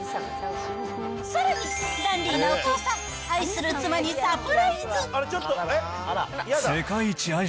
さらに、ダンディなお父さん、愛する妻にサプライズ。